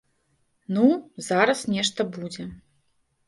Ну, зараз нешта будзе!